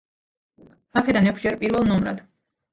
აქედან ექვსჯერ პირველ ნომრად.